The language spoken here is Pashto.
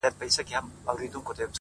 خدایه دا څه کیسه وه عقيدې کار پرېښود